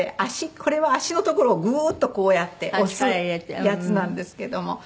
これは足の所をグーッとこうやって押すやつなんですけども。